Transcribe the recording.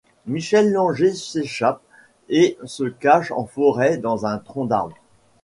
Michel Langer s'échappe et se cache en forêt dans un tronc d'arbre.